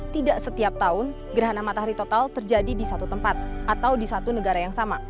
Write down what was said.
tidak setiap tahun gerhana matahari total terjadi di satu tempat atau di satu negara yang sama